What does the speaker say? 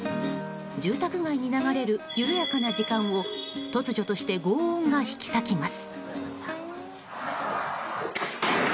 住宅街に流れる緩やかな時間を突如として轟音が引き裂きます。